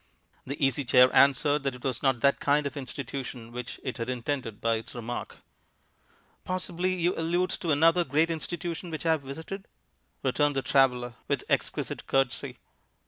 The Easy Chair answered that it was not that kind of institution which it had intended by its remark. "Possibly you allude to another great institution which I have visited," returned the traveller, with exquisite courtesy.